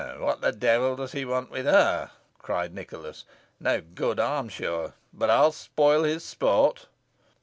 "What the devil does he want with her?" cried Nicholas. "No good, I'm sure. But I'll spoil his sport."